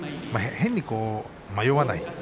変に迷わない。